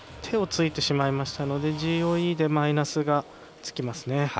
手をついてしまいましたのでＧＯＥでマイナスがつきますね。